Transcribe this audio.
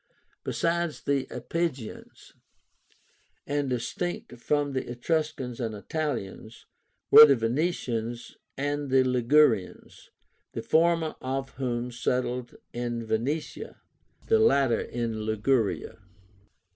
Besides the Iapygians, and distinct from the Etruscans and Italians, were the Venetians and the Ligurians, the former of whom settled in Venetia, the latter in Liguria.